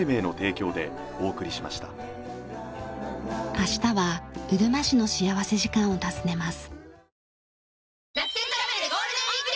明日はうるま市の幸福時間を訪ねます。